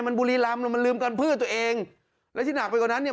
มันบุรีรำแล้วมันลืมกันเพื่อตัวเองและที่หนักไปกว่านั้นเนี่ย